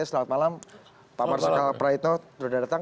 selamat malam pak marsda prahito sudah datang